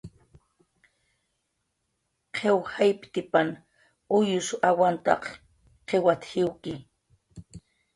"Qiw jayptipan uyws awantaq qiwat"" jiwki "